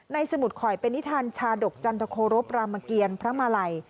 สมุดข่อยเป็นนิทานชาดกจันทโครบรามเกียรพระมาลัย